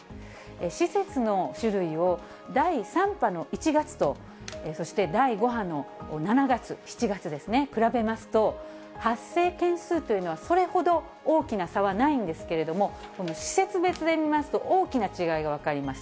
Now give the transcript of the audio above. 施設の種類を第３波の１月と、そして第５波の７月、比べますと、発生件数というのはそれほど大きな差はないんですけど、施設別で見ますと、大きな違いが分かります。